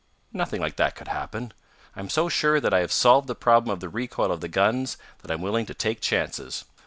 "Nothing like that could happen. I'm so sure that I have solved the problem of the recoil of the guns that I'm willing to take chances.